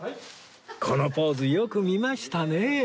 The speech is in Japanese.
このポーズよく見ましたね